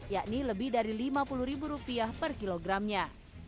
yakni lebih dari lima puluh ribu rupiah per kilogramnya